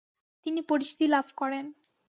তিনি পরিচিতি লাভ করেন।